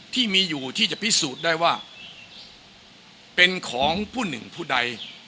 ที่มีอยู่ที่จะพิสูจน์ได้ว่าเป็นของผู้หนึ่งผู้ใด